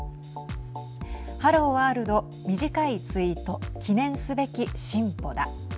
ハローワールド短いツイート記念すべき進歩だ。